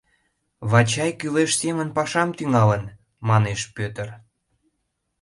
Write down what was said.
— Вачай кӱлеш семын пашам тӱҥалын, — манеш Пӧтыр.